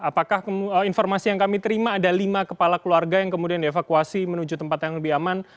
apakah informasi yang kami terima ada lima kepala keluarga yang kemudian dievakuasi menuju tempat yang lebih aman